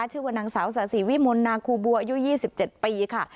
ชื่อว่านางสาวสาธิวิมลนาคูบัวอายุ๒๗ปีค่ะ